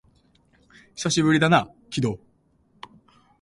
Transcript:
久しぶりだな、鬼道